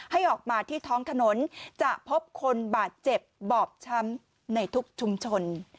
ให้ออกมาที่ท้องถนนจะพบคนบาดเจ็บบอบช้ำในทุกชุมชน